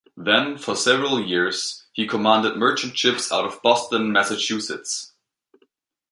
Then, for several years, he commanded merchant ships out of Boston, Massachusetts.